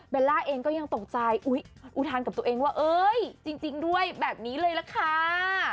เบลล่าก็ยังตกใจอุทานกับตัวเองว่าเอ้ยจริงได้แบบนี้เลยแล้วคา